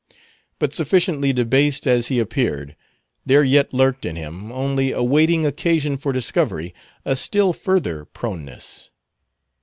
But sufficiently debased as he appeared, there yet lurked in him, only awaiting occasion for discovery, a still further proneness.